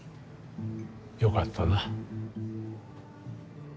よかったな。